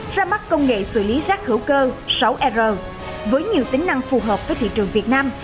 ra mắt công nghệ xử lý rác hữu cơ sáu r với nhiều tính năng phù hợp với thị trường việt nam